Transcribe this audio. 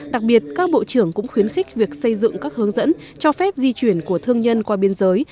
đặc biệt các bộ trưởng cũng khuyến khích việc xây dựng các hướng dẫn cho phép di chuyển của thương nhân qua biên giới